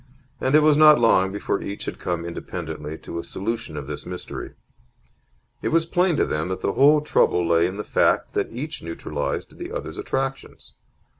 And it was not long before each had come independently to a solution of this mystery. It was plain to them that the whole trouble lay in the fact that each neutralized the other's attractions.